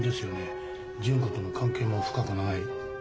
順子との関係も深く長い。